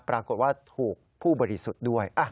ปรากฏว่าถูกผู้บริสุทธิ์ด้วย